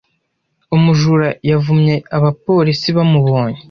Umujura yavumye abapolisi bamubonye.